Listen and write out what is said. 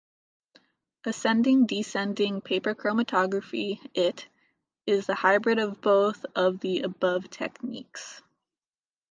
Ascending-Descending Paper Chromatography-It is the hybrid of both of the above techniques.